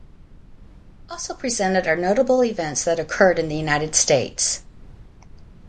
Also presented are notable events that occurred in the United States.